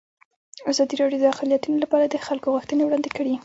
ازادي راډیو د اقلیتونه لپاره د خلکو غوښتنې وړاندې کړي.